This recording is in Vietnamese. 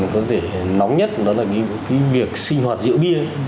có thể nóng nhất đó là việc sinh hoạt rượu bia